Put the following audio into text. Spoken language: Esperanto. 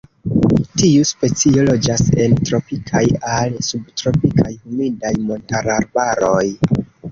Tiu specio loĝas en tropikaj al subtropikaj, humidaj montararbaroj.